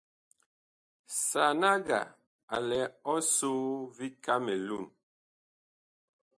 Sanaga a lɛ ɔsoo vi Kamelun.